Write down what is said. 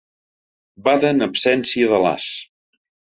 Bada en absència de l'as.